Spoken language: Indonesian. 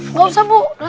nggak usah bu